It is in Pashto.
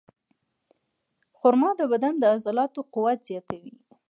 خرما د بدن د عضلاتو قوت زیاتوي.